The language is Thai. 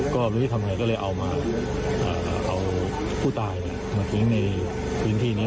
ก็รู้ว่าทำอย่างไรก็เลยเอาผู้ตายมาทิ้งในพื้นที่นี่